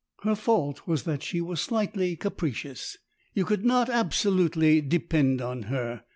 Her fault was that she was slightly capricious ; you could not absolutely depend upon her.